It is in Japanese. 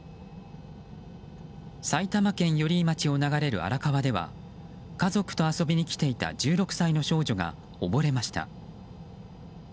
埼玉県寄居町を流れる荒川では家族と遊びに来ていた１６歳の少女が溺れました。